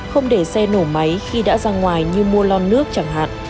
không để xe nổ máy khi đã ra ngoài như mua lon nước chẳng hạn